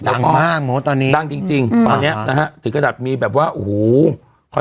ดังมากโอ้โหตอนนี้ดังจริงจริงอืมตอนเนี้ยนะฮะถึงกระดับมีแบบว่าโอ้โห